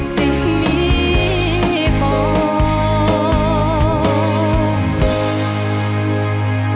สิ่งนี้บอก